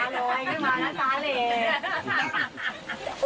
ตาลอยขึ้นมานะตาเล็ก